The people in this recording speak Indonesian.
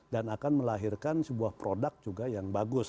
dan akan melahirkan sebuah produk juga yang bagus